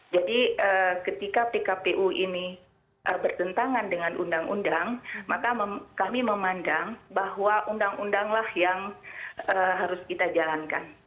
jadi ketika pkpu ini bertentangan dengan undang undang maka kami memandang bahwa undang undang lah yang harus kita jalankan